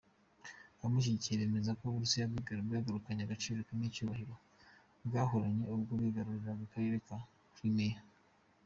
Abamushyigikiye bemeza ko Uburusiya bwagarukanye agaciro n’icyubahiro bwahoranye ubwo bwigaruriraga akarere ka Crimea.